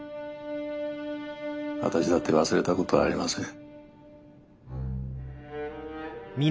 私だって忘れたことありません。